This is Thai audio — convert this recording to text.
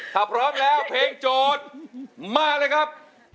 ถ้าพร้อมแล้วเพลงโจทย์มาเลยครับ